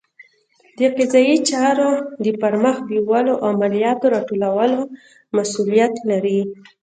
د قضایي چارو د پرمخ بیولو او مالیاتو راټولولو مسوولیت لري.